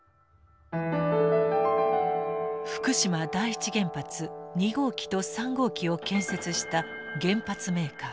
福島第一原発２号機と３号機を建設した原発メーカー。